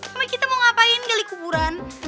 tapi kita mau ngapain kali kuburan